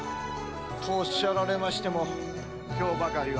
とおっしゃられましても今日ばかりは。